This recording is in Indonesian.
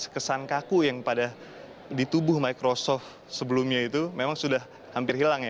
kesan kaku yang pada di tubuh microsoft sebelumnya itu memang sudah hampir hilang ya